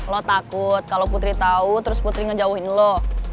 lo takut kalo putri tau terus putri ngejauhin lo